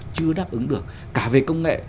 chưa đáp ứng được cả về công nghệ